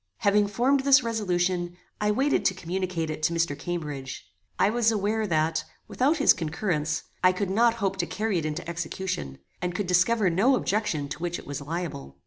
Having formed this resolution, I waited to communicate it to Mr. Cambridge. I was aware that, without his concurrence, I could not hope to carry it into execution, and could discover no objection to which it was liable.